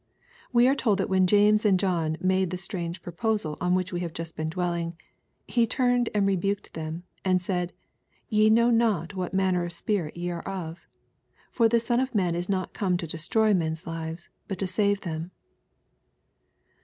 We are told that when James and John made the strange proposal on which we have just been dwelling, ^^ He turned and rebuked them, and said. Ye know not what manner of spirit ye are of. For the Son of man is not come to destroy men's lives, but to save them."